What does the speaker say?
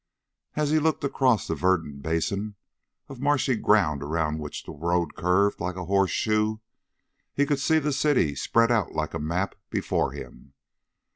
As he looked across the verdant basin of marshy ground around which the road curved like a horseshoe, he could see the city spread out like a map before him.